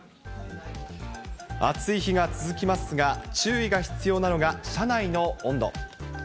暑い日が続きますが、注意が必要なのが車内の温度。